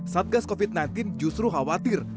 satgas covid sembilan belas justru khawatir